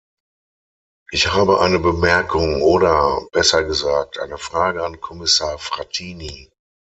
Ich habe eine Bemerkung oder, besser gesagt, eine Frage an Kommissar Frattini.